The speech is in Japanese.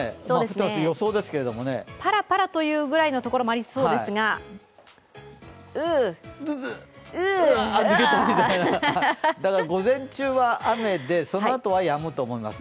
パラパラというぐらいのところもありそうですが抜けた、だから午前中は雨で、そのあとはやむと思います。